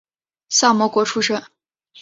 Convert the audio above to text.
萨摩国出身。